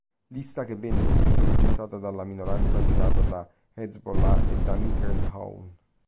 Lista che venne subito rigettata dalla minoranza guidata da Hezbollah e da Michel Aoun.